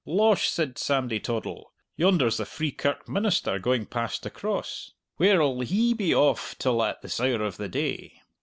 "Losh," said Sandy Toddle, "yonder's the Free Kirk minister going past the Cross! Where'll he be off till at this hour of the day?